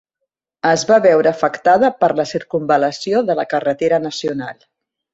Es va veure afectada per la circumval·lació de la carretera nacional.